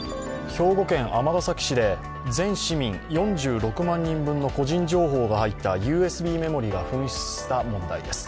兵庫県尼崎市で全市民４６万人分の個人情報が入ったＵＳＢメモリーが紛失した問題です。